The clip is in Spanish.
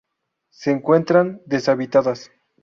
Se encuentran deshabitadas.